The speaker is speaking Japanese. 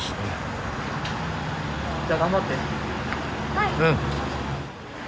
はい！